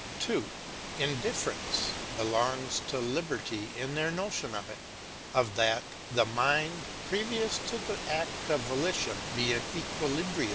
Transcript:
2. Indifference be longs to liberty, in their notion of it, or that the mind, previous to the act of volition, be in equilibria.